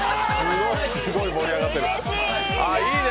すごい盛り上がってる。